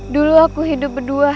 dulu aku hidup berdua